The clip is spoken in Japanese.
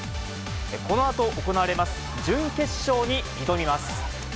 このあと行われます準決勝に挑みます。